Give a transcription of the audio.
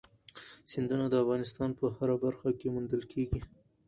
سیندونه د افغانستان په هره برخه کې موندل کېږي.